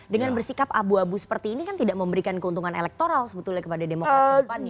dengan bersikap abu abu seperti ini kan tidak memberikan keuntungan elektoral sebetulnya kepada demokrat ke depannya